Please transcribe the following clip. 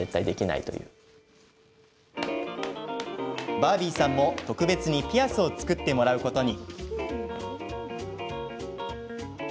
バービーさんも特別にピアスを作ってもらうことに。